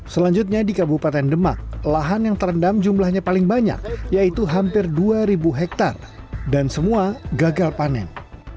selanjutnya di kabupaten demak lahan yang terendam jumlahnya paling banyak yaitu hampir dua hektare dan semua gagal panen